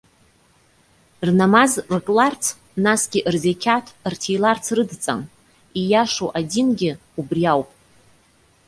Рнамаз рыкларц, насгьы рзеқьаҭ рҭиларц рыдҵан. Ииашоу адингьы убри ауп.